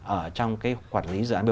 ở trong cái quản lý doanh nghiệp